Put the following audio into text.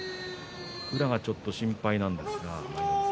宇良がちょっと心配ですね。